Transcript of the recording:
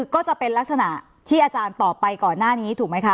ก็จะเป็นลักษณะที่อาจารย์ตอบไปก่อนหน้านี้ถูกไหมคะ